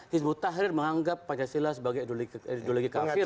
hizbut tahrir menganggap pancasila sebagai ideologi kafir